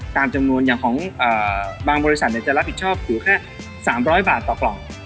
ตามจำนวนอย่างของบางบริษัทจะรับผิดชอบอยู่แค่๓๐๐บาทต่อกล่อง